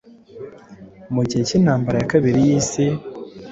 mu gihe cy'intambara ya kabiri y'isi